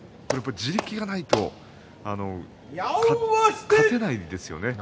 地力がないと勝てないんですよね。